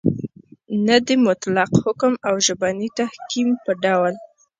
نه د مطلق حکم او ژبني تحکم په ډول